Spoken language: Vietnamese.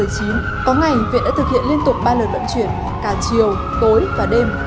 có ngành viện đã thực hiện liên tục ba lần vận chuyển cả chiều tối và đêm